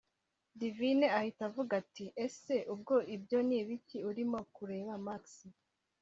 divine ahita avuga ati: ese ubwo ibyo nibiki urimo kureba max!’